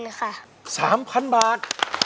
ดูเขาเล็ดดมชมเล่นด้วยใจเปิดเลิศ